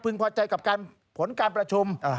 พอใจกับการผลการประชุม